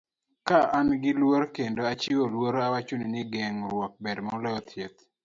Ka an gi luor kendo achiwo luor, awachonu ni geng'ruok ber moloyo thieth.